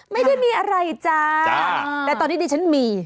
ไม่ได้มีอะไรจ้าแต่ตอนนี้ดิฉันมี